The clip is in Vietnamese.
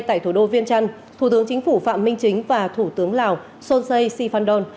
tại thủ đô viên trăn thủ tướng chính phủ phạm minh chính và thủ tướng lào sonsei sifandon